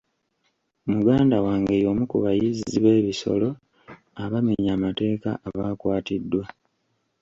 Muganda wange y'omu ku bayizzi b'ebisolo abamenya amateeka abaakwatiddwa.